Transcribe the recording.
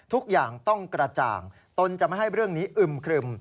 ทุกอย่างต้องกระจ่างตนจะไม่ให้เรื่องนี้อึมครึม